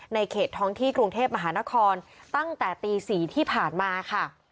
ในเขตท้องที่กรุงเทพมหานครตั้งแต่ตี๔ที่ผ่านมาค่ะ